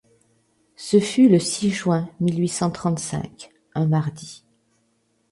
Ce fut le six juin mille huit cent trente-cinq, un mardi…